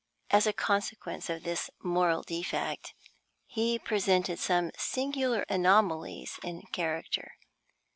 As a consequence of this moral defect, he presented some singular anomalies in character.